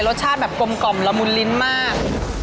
รสชาติกลมละมุนลิ้นมาก